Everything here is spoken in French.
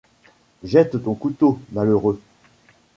Jette ton couteau, malheureux !